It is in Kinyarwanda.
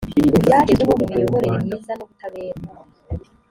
ibyagezweho mu miyoborere myiza n’ubutabera